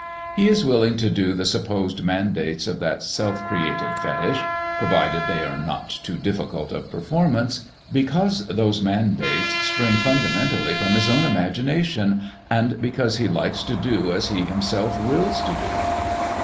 He is willing to do the supposed mandates of that self created fetich (provided they are not too difficult of performance), because those mandates spring fundamentally from his own imagination, and because he likes to do as he himself wills to do.